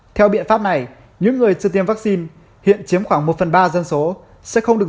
theo biện pháp này những người chưa tiêm vaccine hiện chiếm khoảng một phần ba dân số sẽ không được